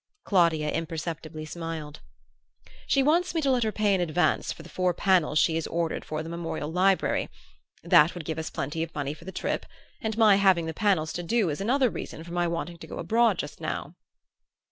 Claudia imperceptibly smiled. "She wants me to let her pay in advance for the four panels she has ordered for the Memorial Library. That would give us plenty of money for the trip, and my having the panels to do is another reason for my wanting to go abroad just now."